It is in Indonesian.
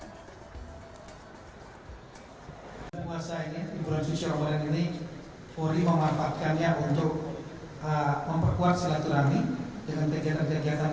di bulan puasa ini di bulan jujur wabalan ini polri memanfaatkannya untuk memperkuat silaturami dengan pekerjaan pekerjaan